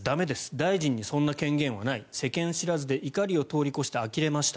大臣にそんな権限はない世間知らずで怒りを通り越してあきれました。